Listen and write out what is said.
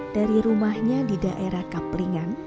dari rumahnya di daerah kapringan